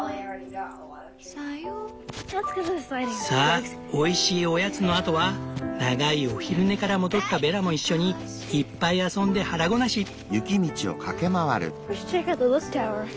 さあおいしいおやつのあとは長いお昼寝から戻ったベラも一緒にいっぱい遊んで腹ごなし。